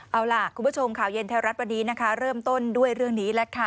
เอาล่ะคุณผู้ชมข่าวเย็นไทยรัฐวันนี้นะคะเริ่มต้นด้วยเรื่องนี้แหละค่ะ